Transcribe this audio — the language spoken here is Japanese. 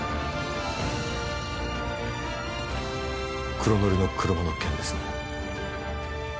黒塗りの車の件ですね